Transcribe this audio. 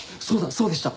そうでした。